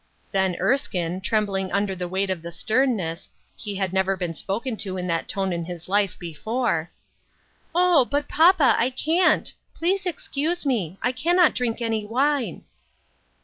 " Then Erskine, trembling under the weight of the sternness — he had never been spoken to in that tone in his life before, —" Oh ! but, papa, I can't ; please excuse me : I cannot drink any wine."